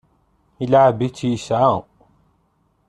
Ileɛɛeb-itt yesɛa.